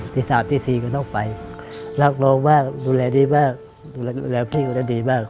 ที่สามที่สี่ก็ต้องไปรักโรงมากดูแลดีมากดูแลพี่ก็ดีมาก